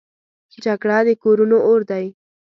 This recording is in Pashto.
جګړه د کورونو اور دی